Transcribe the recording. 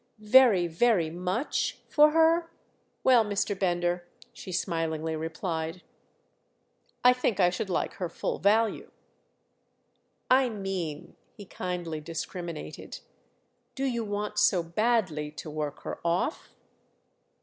"'Very, very much' for her? Well, Mr. Bender," she smilingly replied, "I think I should like her full value." "I mean"—he kindly discriminated—"do you want so badly to work her off?"